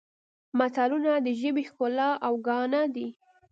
متلونه د ژبې ښکلا او ګاڼه دي